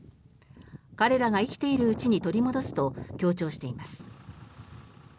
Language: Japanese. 彼らが生きているうちに取り戻すと強調しています。